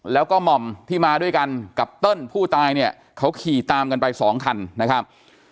แล้วก็หม่อมที่มาด้วยกันกับเติ้ลผู้ตายเนี่ยเขาขี่ตามกันไปสองคันนะครับ